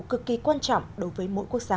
cực kỳ quan trọng đối với mỗi quốc gia